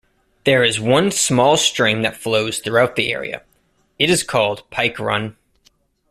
There is one small stream that flows through the area.It is called Pike Run.